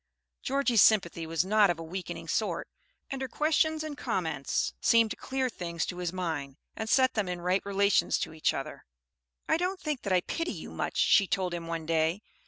Georgie's sympathy was not of a weakening sort, and her questions and comments seemed to clear things to his mind, and set them in right relations to each other. "I don't think that I pity you much," she told him one day.